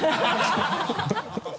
ハハハ